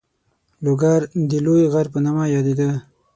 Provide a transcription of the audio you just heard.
لوګر د لوی غر په نامه یادېده.